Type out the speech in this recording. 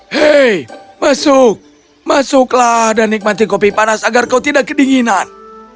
hei masuk masuklah dan nikmati kopi panas agar kau tidak kedinginan